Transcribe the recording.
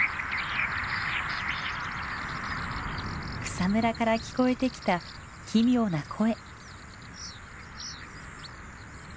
草むらから聞こえてきた奇妙な声。